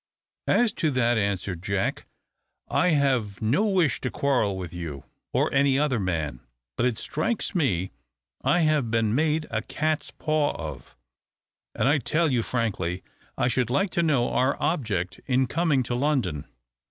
"As to that," answered Jack, "I have no wish to quarrel with you, or any other man; but it strikes me I have been made a `cat's paw' of, and I tell you frankly I should like to know our object in coming to London."